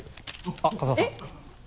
あっ春日さん。